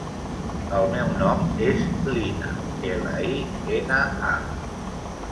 El meu nom és Lina: ela, i, ena, a.